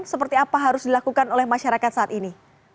seperti apa harus dilakukan oleh masyarakat saat ini